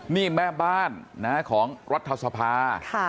นี่แม่บ้านของรัฐสภา